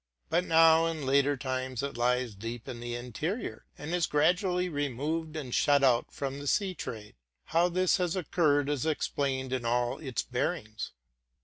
But now, in later times, it lies deep in the interior, and is gradually removed and shut out from the sea trade. How this has occurred, is explained in all its bearings.